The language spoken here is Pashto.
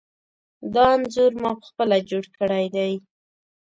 دا انځور ما پخپله جوړ کړی دی.